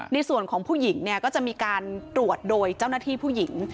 ในส่วนของผู้หญิงเนี่ยก็จะมีการตรวจโดยเจ้าหน้าที่ผู้หญิง